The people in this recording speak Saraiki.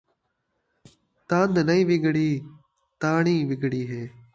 تند نئیں وڳڑی تاݨی وڳڑی ہے